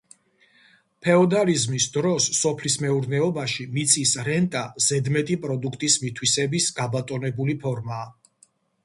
ფეოდალიზმის დროს სოფლის მეურნეობაში მიწის რენტა ზედმეტი პროდუქტის მითვისების გაბატონებული ფორმაა.